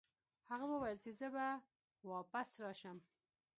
هغه وویل چې زه به واپس راشم.